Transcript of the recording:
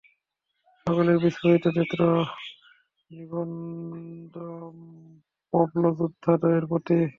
সকলের বিস্ফোরিত নেত্র নিবদ্ধ মপ্লযোদ্ধাদ্বয়ের প্রতি।